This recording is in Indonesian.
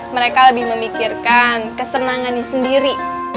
mereka lebih memikirkan kesenangannya sendiri